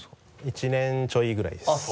１年ちょいぐらい。